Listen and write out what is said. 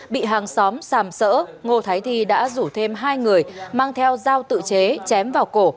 bị hàng xóm xàm sỡ ngô thái thi đã rủ thêm hai người mang theo dao tự chế chém vào cổ